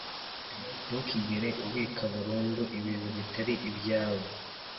ntukigere ubika burundu ibintu bitari ibyawe